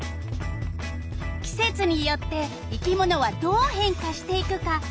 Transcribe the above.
季節によって生き物はどう変化していくか。